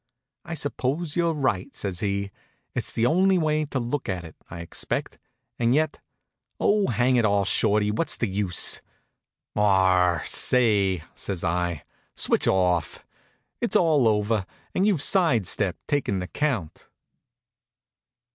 "I suppose you're right," says he. "It's the only way to look at it, I expect; and yet oh, hang it all, Shorty, what's the use?" "Ahr r, say!" says I. "Switch off! It's all over, and you've side stepped takin' the count."